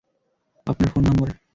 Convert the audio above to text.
আপনার ফোন নম্বর।